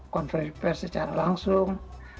konferensi pers secara langsung